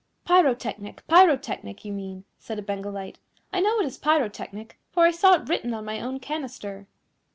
"Pyrotechnic, Pyrotechnic, you mean," said a Bengal Light; "I know it is Pyrotechnic, for I saw it written on my own canister."